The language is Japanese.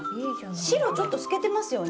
白ちょっと透けてますよね？